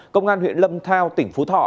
công an huyện lâm thao tỉnh phú thọ